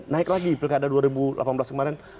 naik lagi pilih keadaan dua ribu delapan belas kemarin